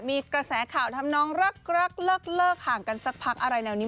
มีกระแสข่าวทำน้องรักเลิกห่างกันสักพักอะไรแนวนี้